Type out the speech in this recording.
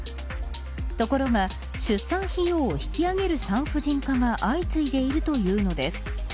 ところが出産費用を引き上げる産婦人科が相次いでいるというのです。